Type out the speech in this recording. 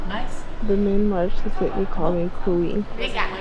The men marched to Sydney calling Cooee!